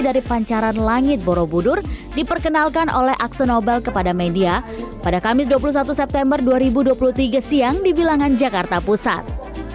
dari pancaran langit borobudur diperkenalkan oleh aksen nobel kepada media pada kamis dua puluh satu september dua ribu dua puluh tiga siang di bilangan jakarta pusat